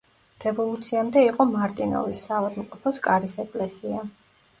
რევოლუციამდე იყო მარტინოვის საავადმყოფოს კარის ეკლესია.